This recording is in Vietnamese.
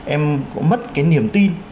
em cũng mất cái niềm tin